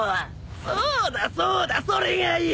そうだそうだそれがいい！